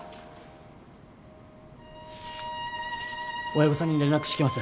親御さんに連絡してきます。